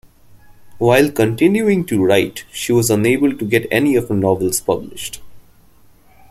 While continuing to write, she was unable to get any of her novels published.